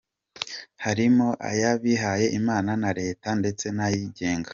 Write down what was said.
Harimo ayabihaye imana naya leta ndetse nayigenga.